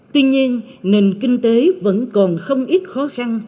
tuy nhiên nền kinh tế vẫn còn không ít khó khăn